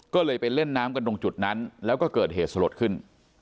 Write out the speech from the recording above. ก็เลยไปเล่นน้ำกันตรงจุดนั้นแล้วก็เกิดเหตุสลดขึ้น